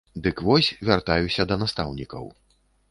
Дык вось, вяртаюся да настаўнікаў.